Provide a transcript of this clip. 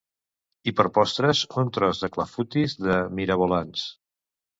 I per postres un tros de clafoutis de mirabolans